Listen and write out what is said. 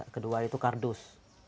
kedua itu kardus